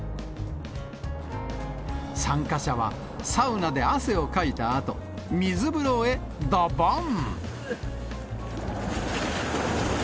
参加者は、サウナで汗をかいたあと、水風呂へどぼん。